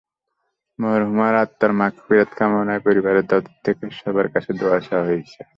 মরহুমার আত্মার মাগফিরাত কামনায় পরিবারের তরফ থেকে সবার কাছে দোয়া চাওয়া হয়েছে।